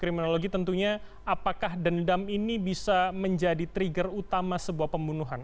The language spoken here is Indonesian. kriminologi tentunya apakah dendam ini bisa menjadi trigger utama sebuah pembunuhan